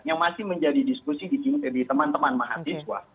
yang masih menjadi diskusi di teman teman mahasiswa